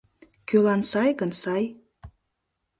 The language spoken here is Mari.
— Кӧлан сай гын, сай!..